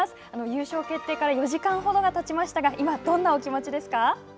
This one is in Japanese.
優勝決定から４時間ほどがたちましたが今、どんなお気持ちですか？